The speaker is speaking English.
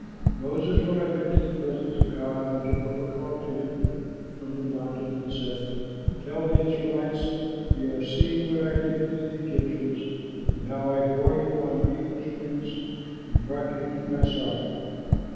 Moses went up into the presence of God, and Jehovah called to him from the mountain and said, "Tell the Israelites: 'You have seen what I did to the Egyptians and how I bore you on eagles' wings and brought you to myself.